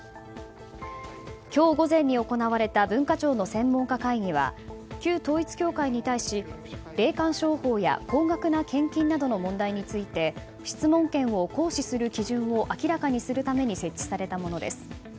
今日午前に行われた文化庁の専門家会議は旧統一教会に対し、霊感商法や高額な献金など問題について質問権を行使する基準を明らかにするために設置されたものです。